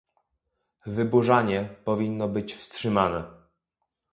Wyburzanie powinno być wstrzymane